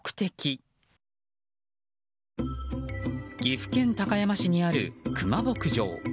岐阜県高山市にあるクマ牧場。